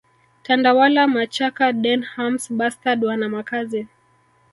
Tandawala machaka Denhams Bustard wana makazi